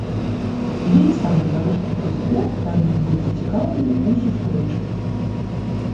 Ды і сам беларускі прэзідэнт павінен быць зацікаўлены ў сустрэчы.